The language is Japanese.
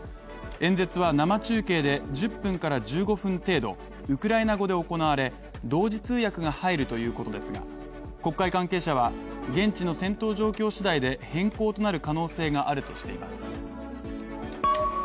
演説は生中継で１０分から１５分程度ウクライナ語で行われ、同時通訳が入るということですが国会関係者は現地の戦闘状況しだいで変更となる可能性があるとしています。